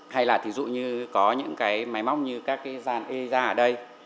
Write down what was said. hay là thí dụ như có những cái máy móc như các cái gian ez ở đây